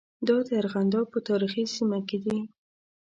دا د ارغنداب په تاریخي سیمه کې دي.